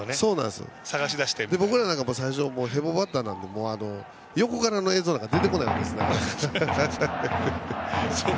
僕らなんか最初へぼバッターなのでもう、横からの映像なんか出てこないんですね。